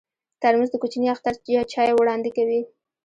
ترموز د کوچني اختر چای وړاندې کوي.